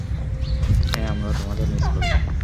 হ্যাঁ, আমরাও তোমাদের মিস করব।